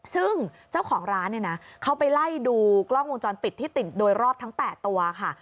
ซึ่งเจ้าของร้านเนี่ยนะเขาไปไล่ดูกล้องวงจรปิดที่ติดโดยรอบทั้ง๘ตัวค่ะ